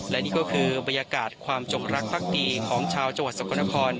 และนี่ก็คือบรรยากาศความจงรักภักดีของชาวจังหวัดสกลนคร